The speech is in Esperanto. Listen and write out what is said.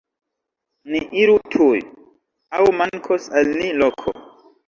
Ni iru tuj, aŭ mankos al ni loko!